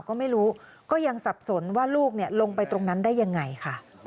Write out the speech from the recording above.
ก็ไม่รู้ก็ยังสับสนว่าลูกลงไปตรงนั้นได้ยังไงค่ะ